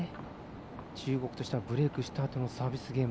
中国としてはブレークしたあとのサービスゲーム。